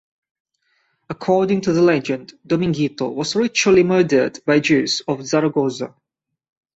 According to the legend, Dominguito was ritually murdered by Jews of Zaragoza.